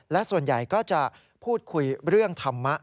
และส่วนใหญ่ก็จะพูดคุยเรื่องธรรมะ